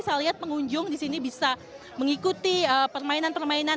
saya lihat pengunjung di sini bisa mengikuti permainan permainan